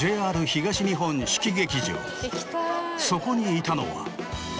そこにいたのは。